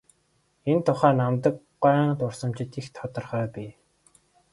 Энэ тухай Намдаг гуайн дурсамжид их тодорхой бий.